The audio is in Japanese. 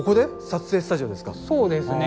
撮影スタジオですか。